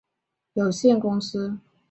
阿班旦杜很早就加入了杀人有限公司。